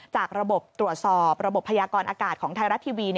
จากระบบตรวจสอบระบบพยากรอากาศของไทยรัฐทีวี